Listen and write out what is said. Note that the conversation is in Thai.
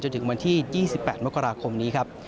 ถึงวันที่๒๘มกราคมนี้ครับ